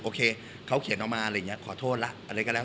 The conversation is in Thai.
โอเคเค้าเขียนเรามาอะไรอย่างนี้ครบโทษละ